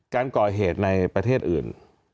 การก่อเหตุในประเทศอื่น